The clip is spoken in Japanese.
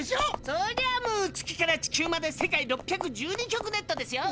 そりゃもう月から地球まで世界６１２局ネットですよ！